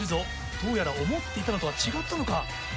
どうやら思っていたのとは違ったのか？